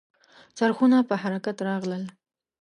څرخونه په حرکت راغلل .